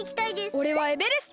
おれはエベレスト！